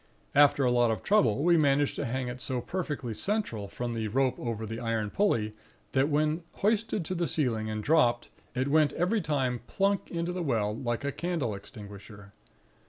After a lot of trouble, we managed to hang it so perfectly central from the rope over the iron pulley, that when hoisted to the ceiling and dropped, it went every time plunk into the well, like a candle extinguisher.